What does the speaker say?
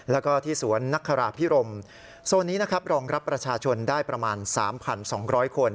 แล้วก็ที่สวนนักคาราพิรมโซนนี้นะครับรองรับประชาชนได้ประมาณ๓๒๐๐คน